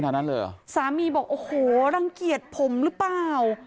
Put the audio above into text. นั้นเลยเหรอสามีบอกโอ้โหรังเกียจผมหรือเปล่า